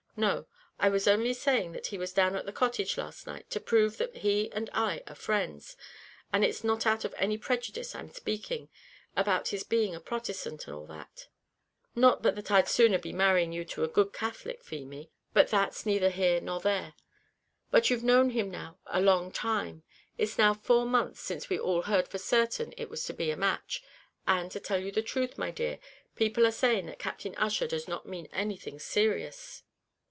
No; I was only saying that he was down at the cottage last night, to prove that he and I are friends, and it's not out of any prejudice I'm speaking about his being a Protestant, and all that; not but that I'd sooner be marrying you to a good Catholic, Feemy but that's neither here nor there. But you've known him now a long time; it's now four months since we all heard for certain it was to be a match; and, to tell you the truth, my dear, people are saying that Captain Ussher doesn't mean anything serious."